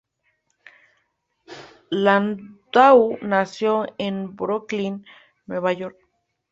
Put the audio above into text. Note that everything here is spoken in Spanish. Landau nació en Brooklyn, Nueva York.